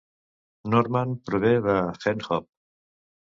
Norman prové de "Hen Hop".